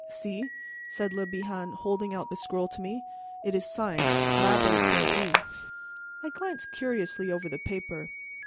"See," said Le Bihan, holding out the scroll to me, "it is signed, 'L'Abbé Sorgue.'" I glanced curiously over the paper.